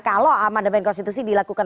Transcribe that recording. kalau amandaban konstitusi dilakukan